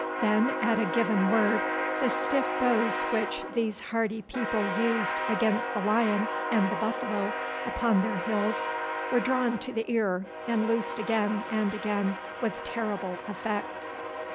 Then, at a given word, the stiff bows which these hardy people used against the lion and the buffalo upon their hills were drawn to the ear and loosed again and again with terrible effect.